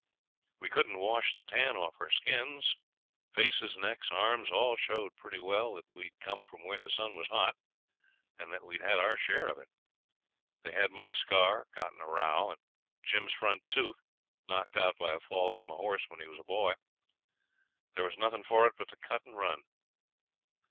We couldn't wash the tan off our skins; faces, necks, arms, all showed pretty well that we'd come from where the sun was hot, and that we'd had our share of it. They had my scar, got in a row, and Jim's front tooth, knocked out by a fall from a horse when he was a boy; there was nothing for it but to cut and run.